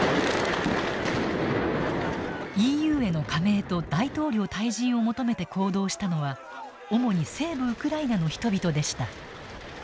ＥＵへの加盟と大統領退陣を求めて行動したのは主に西部ウクライナの人々でした。